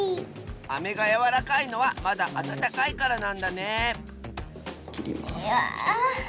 アメがやわらかいのはまだあたたかいからなんだねえきります。